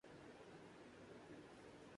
قوم کے سامنے بڑا سوال یہ ہے کہ آگے کی منزلیں ہیں۔